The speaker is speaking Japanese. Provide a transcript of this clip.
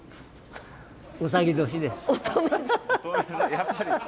やっぱり。